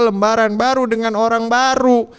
lembaran baru dengan orang baru